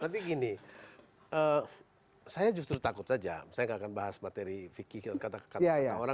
tapi gini saya justru takut saja saya nggak akan bahas materi fikih kata kata orang